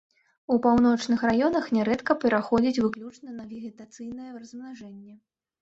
У паўночных раёнах нярэдка пераходзіць выключна на вегетацыйнае размнажэнне.